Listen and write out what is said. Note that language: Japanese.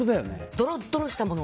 ドロドロしたもの。